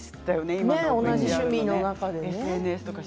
今、同じ趣味の中でね。